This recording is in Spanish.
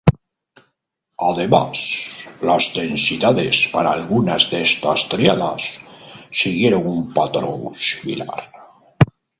Además, las densidades para algunas de estas tríadas siguieron un patrón similar.